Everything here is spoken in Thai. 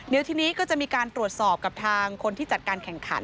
เดี๋ยวทีนี้ก็จะมีการตรวจสอบกับทางคนที่จัดการแข่งขัน